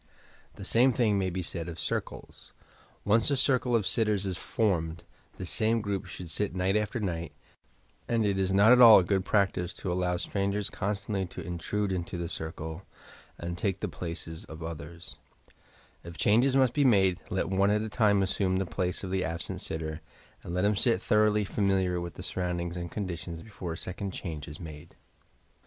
The same thing may be said of "circles." Once a circle of sittera is formed, this same group should sit night after night, and it is not at all a good practice to allow strangers constantly to intrude into the circle and take the places of others, If changes must be made, let one at a time assume the place of the absent sitter and let iiim get thoroughly familiar with the surroundings and conditions before a second change is made.